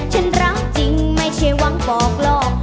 ฉันรักจริงไม่ใช่หวังบอกลอง